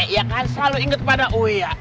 ya kan selalu inget pada uya